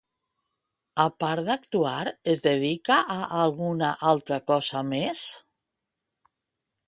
A part d'actuar es dedica a alguna altra cosa més?